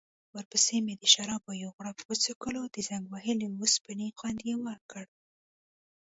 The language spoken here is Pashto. ورپسې مې د شرابو یو غوړپ وڅکلو، د زنګ وهلې اوسپنې خوند يې وکړ.